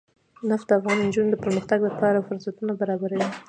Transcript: نفت د افغان نجونو د پرمختګ لپاره فرصتونه برابروي.